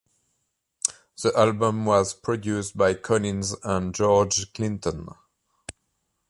The album was produced by Collins and George Clinton.